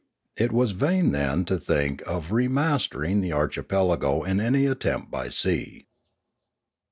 It was vain then to think of re mas tering the archipelago in any attempt by sea.